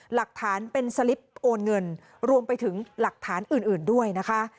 หลักฐานเป็นสลิปโอนเงินรวมไปถึงหลักฐานอื่นด้วยนะคะ